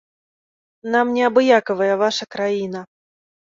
Нам не абыякавая ваша краіна.